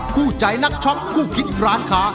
คู่ใจนักช็อคคู่คิดร้านค้า